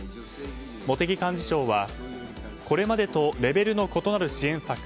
茂木幹事長はこれまでとレベルの異なる支援策